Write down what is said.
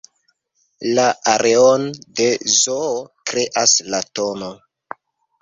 La areon de zoo kreas la tn.